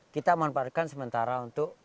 kita manfaatkan sementara untuk